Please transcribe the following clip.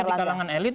tapi di kalangan elit